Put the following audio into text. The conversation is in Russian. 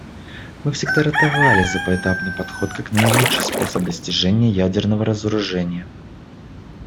Мы всегда ратовали за поэтапный подход как наилучший способ достижения ядерного разоружения.